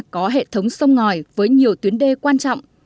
có hệ thống sông ngòi với nhiều tuyến đê quan trọng